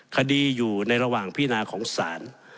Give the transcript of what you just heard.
คดีอยู่ในระหว่างพินาของศาล